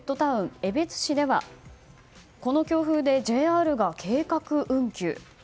江別市ではこの強風でＪＲが計画運休。